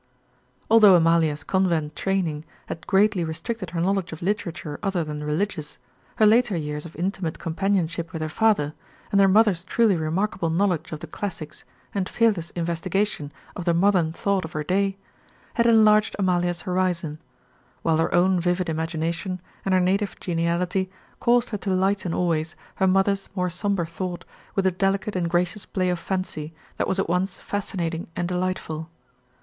Although Amalia's convent training had greatly restricted her knowledge of literature other than religious, her later years of intimate companionship with her father, and her mother's truly remarkable knowledge of the classics and fearless investigation of the modern thought of her day, had enlarged Amalia's horizon; while her own vivid imagination and her native geniality caused her to lighten always her mother's more somber thought with a delicate and gracious play of fancy that was at once fascinating and delightful.